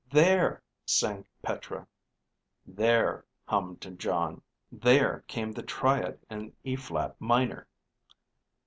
There, sang Petra. There, hummed Jon. There, came the triad in E flat minor.